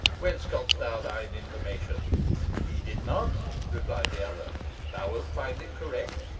Whence gott'st thou thine information?" "Heed it not," replied the other; "thou wilt find it correct.